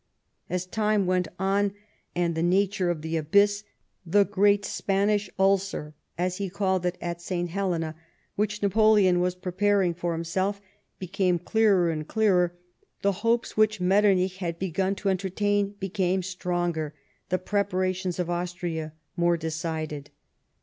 As time went on, and the nature of the abyss —" the great Spanish ulcer," as he called it at St. Helena — which Napoleon was preparing for himself became clearer and clearer, the hopes which Metternich had begun to entertain became stronger, the preparations of Austria more decided.